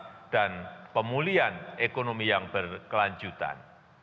ini juga terdapat dari pemulihan ekonomi yang berkelanjutan